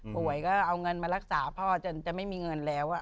ป่วยก็เอาเงินมารักษาพ่อจนจะไม่มีเงินแล้ว